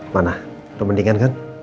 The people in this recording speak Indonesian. mana udah mendingan kan